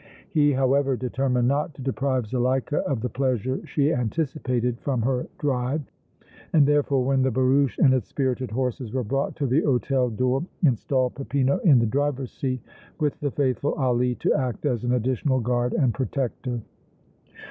He, however, determined not to deprive Zuleika of the pleasure she anticipated from her drive and, therefore, when the barouche and its spirited horses were brought to the hôtel door installed Peppino in the driver's seat with the faithful Ali to act as an additional guard and protector.